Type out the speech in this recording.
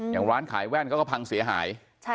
อย่างร้านขายแว่นเขาก็พังเสียหาย